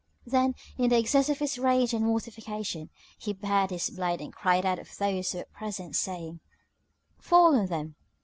Then, in the excess of his rage and mortification, he bared his blade and cried out to those who were present, saying, "Fall on them!"